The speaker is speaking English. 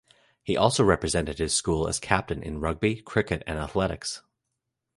He also represented his school as captain in Rugby, Cricket and Athletics.